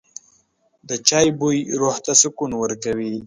د چای بوی روح ته سکون ورکوي.